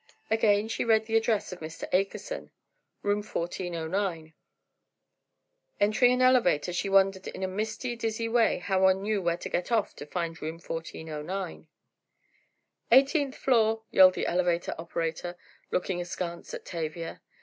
Again she read the address of Mr. Akerson. "Room 1409." Entering an elevator she wondered in a misty, dizzy way how one knew where to get off to find room Number 1409. "Eighteenth floor!" yelled the elevator operator, looking askance at Tavia.